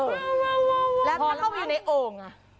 เออและถ้าเข้ากูอยู่ในโอ่งอะ